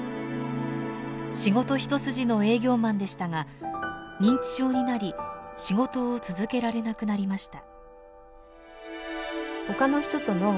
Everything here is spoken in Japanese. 仕事一筋の営業マンでしたが認知症になり仕事を続けられなくなりました。